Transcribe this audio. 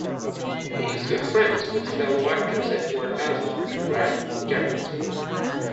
He is good friends with fellow actors Edward Asner and Brad Garrett.